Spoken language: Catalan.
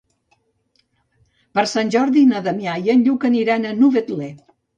Per Sant Jordi na Damià i en Lluc aniran a Novetlè.